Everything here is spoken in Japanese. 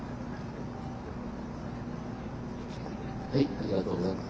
おめでとうございます。